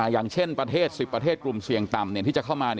อย่างเช่นประเทศ๑๐ประเทศกลุ่มเสี่ยงต่ำที่จะเข้ามา